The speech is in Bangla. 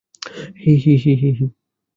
হি হি হি।